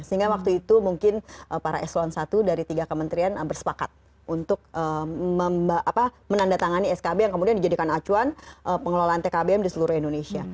sehingga waktu itu mungkin para eselon i dari tiga kementerian bersepakat untuk menandatangani skb yang kemudian dijadikan acuan pengelolaan tkbm di seluruh indonesia